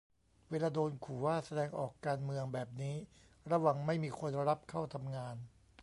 เวลาโดนขู่ว่า แสดงออกการเมืองแบบนี้ระวังไม่มีคนรับเข้าทำงาน